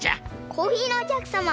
コーヒーのおきゃくさま。